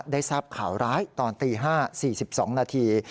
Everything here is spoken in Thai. ได้ทราบข่าวร้ายตอนตี๕๔๒นาที